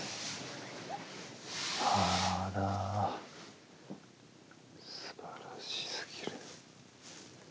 あすばらしすぎる。